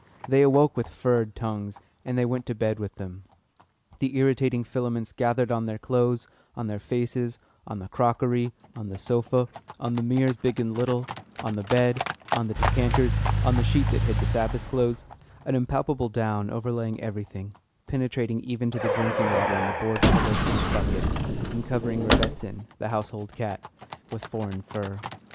They awoke with "furred" tongues, and they went to bed with them. The irritating filaments gathered on their clothes, on their faces, on the crockery, on the sofa, on the mirrors (big and little), on the bed, on the decanters, on the sheet that hid the Sabbath clothes an impalpable down overlaying everything, penetrating even to the drinking water in the board covered zinc bucket, and covering "Rebbitzin," the household cat, with foreign fur.